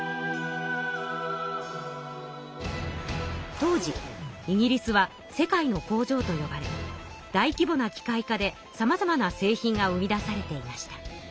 当時イギリスは世界の工場とよばれ大規模な機械化でさまざまな製品が生み出されていました。